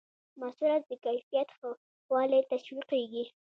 د محصولاتو د کیفیت ښه والی تشویقیږي.